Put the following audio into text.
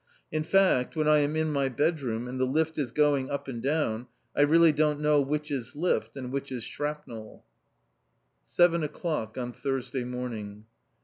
In fact, when I am in my bedroom, and the lift is going up and down, I really don't know which is lift and which is shrapnel. Seven o'clock on Thursday morning.